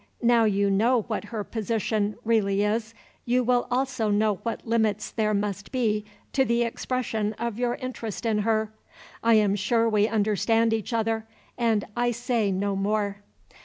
Now you know what her position really is, you will also know what limits there must be to the expression of your interest in her. I am sure we understand each other; and I say no more."